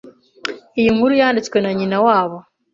iyi inkuru Yanditswe na nyina wabo